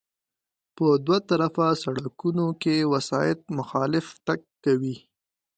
په دوه طرفه سړکونو کې وسایط مخالف تګ کوي